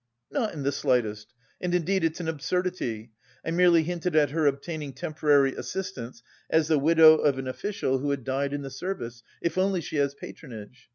"Not in the slightest, and indeed it's an absurdity! I merely hinted at her obtaining temporary assistance as the widow of an official who had died in the service if only she has patronage...